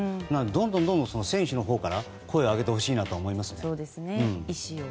だから、どんどん選手のほうから声を上げてほしいなと思います。